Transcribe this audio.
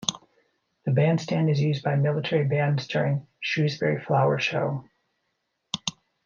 The bandstand is used by military bands during Shrewsbury Flower Show.